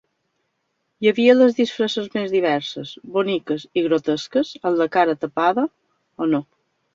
Hi havia les disfresses més diverses, boniques i grotesques amb la cara tapada o no.